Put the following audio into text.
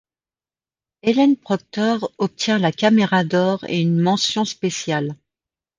Elaine Proctor obtient la Caméra d'or et une mention spéciale.